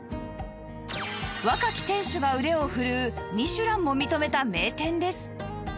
若き店主が腕を振るうミシュランも認めた名店です